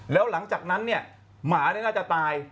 แล้วหลังจากนั้นเนี่ยหมานี่น่าจะตาย